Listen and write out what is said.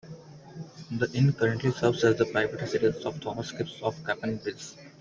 The inn currently serves as the private residence of Thomas Kipps of Capon Bridge.